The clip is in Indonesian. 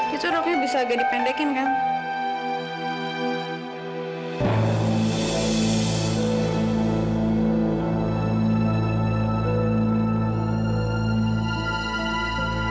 itu roknya bisa agak dipendekin kan